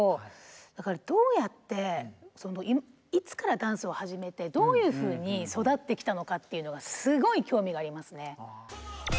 だからどうやっていつからダンスを始めてどういうふうに育ってきたのかっていうのがすごい興味がありますね。